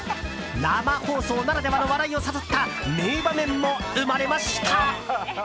生放送ならではの笑いを誘った名場面も生まれました。